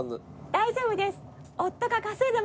大丈夫です。